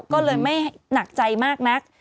ก็เลยไม่หนักใจมากนัก